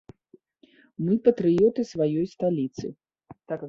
Мы патрыёты сваёй сталіцы.